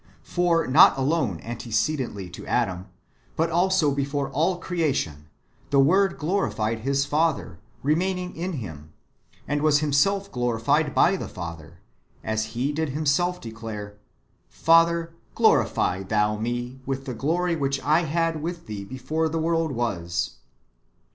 For not alone antecedently to Adam, but also before all creation, the Word glorified His Father, remaining in Him; and was Himself glorified by the Father, as He did Himself declare, " Father, glorify Thou me with the glory which I had with Thee before the world was."